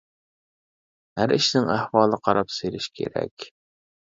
ھەر ئىشنىڭ ئەھۋالىغا قاراپ سېلىش كېرەك.